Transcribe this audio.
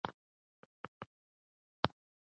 هغه د کورنۍ لپاره د خوړو د پخولو پاکې لارې لټوي.